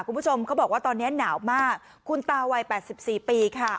คุณผู้ชมเขาบอกว่าตอนเนี้ยหนาวมากคุณตาวัยแปดสิบสี่ปีค่ะ